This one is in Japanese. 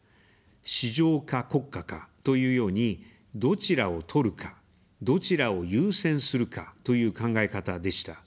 「市場か国家か」、というように、どちらを取るか、どちらを優先するか、という考え方でした。